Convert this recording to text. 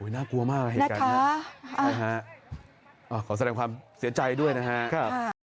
โอ้ยน่ากลัวมากเหตุการณ์นะคะขอแสดงความเสียใจด้วยนะคะ